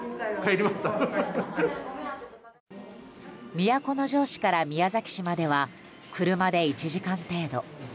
都城市から宮崎市までは車で１時間程度。